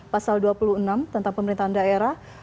pasal dua puluh enam tentang pemerintahan daerah